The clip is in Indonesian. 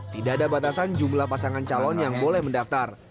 tidak ada batasan jumlah pasangan calon yang boleh mendaftar